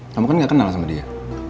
kamu kan gak kenal sama dia